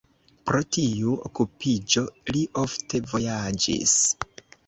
Pro tiu okupiĝo li ofte vojaĝis.